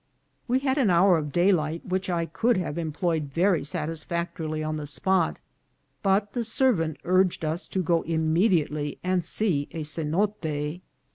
We had an hour of daylight, which I could have em ployed very satisfactorily on the spot, but the servant urged us to go immediately and see a cenote.